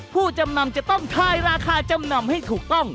ผู้จำนำจะต้องทายราคาจำนำให้ถูกต้อง